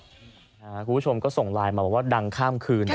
คุณผู้ชมก็ส่งไลน์มาบอกว่าดังข้ามคืน